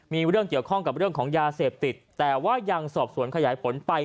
มีเรื่องเกี่ยวข้องกับเรื่องของยาเสพติดแต่ว่ายังสอบสวนขยายผลไป